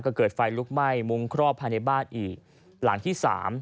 ก็เกิดไฟลุกไหม้มุ้งครอบภายในบ้านอีกหลังที่สาม